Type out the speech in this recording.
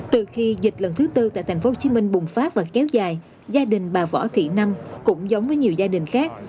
từ khi dịch lần thứ tư tại tp hcm bùng phát và kéo dài gia đình bà võ thị năm cũng giống với nhiều gia đình khác